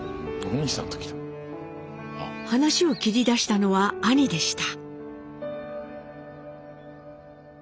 話を切り出したのは兄でした。